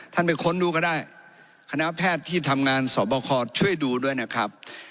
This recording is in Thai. ไปค้นดูก็ได้คณะแพทย์ที่ทำงานสอบคอช่วยดูด้วยนะครับ